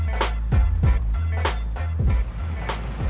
kirain macet di jalan